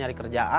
galak aja ga